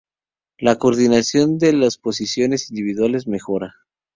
La coordinación entre las posiciones individuales mejora.